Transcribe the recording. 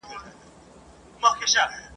لکه ګڼي ښکلي وریځي د اسمان پر مخ ورکیږي ..